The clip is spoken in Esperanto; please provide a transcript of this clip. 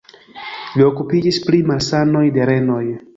Li okupiĝis pri malsanoj de renoj.